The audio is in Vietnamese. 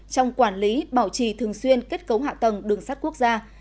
trong quản lý bảo trì thường xuyên kết cấu hạ tầng đường sắt quốc gia